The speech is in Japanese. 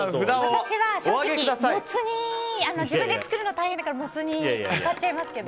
私は正直、もつ煮自分で作るのが大変だからもつ煮を買っちゃいますけど。